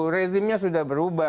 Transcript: rezimnya sudah berubah